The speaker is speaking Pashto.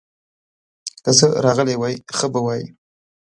که زه راغلی وای، ښه به وای.